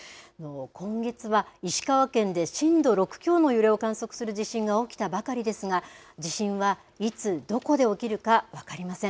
今月は石川県で震度６強の揺れを観測する地震が起きたばかりですが地震はいつ、どこで起きるか分かりません。